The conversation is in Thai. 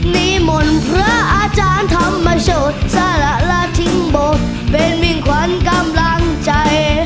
นิมนต์พระอาจารย์ธรรมชดสละและทิ้งบทเป็นมิ่งขวัญกำลังใจ